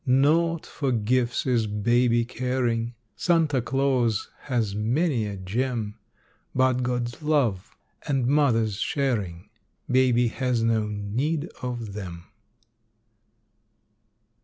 Naught for gifts is baby caring. Santa Claus has many a gem, But, God's love and mother's sharing, Baby has no need of them.